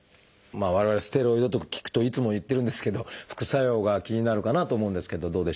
我々ステロイドとか聞くといつも言ってるんですけど副作用が気になるかなと思うんですけどどうでしょう？